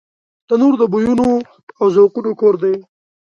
تنور د بویونو او ذوقونو کور دی